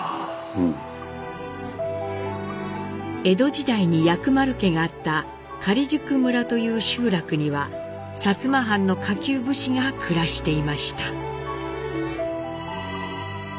江戸時代に薬丸家があった假宿村という集落には薩摩藩の下級武士が暮らしていました。